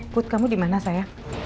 put kamu dimana sayang